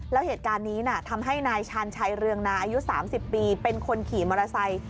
แล้วเหตุการณ์นี้ทำให้นายชาญชัยเรืองนาอายุ๓๐ปีเป็นคนขี่มอเตอร์ไซค์